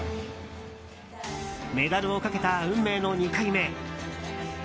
メダルをかけた運命の２回目。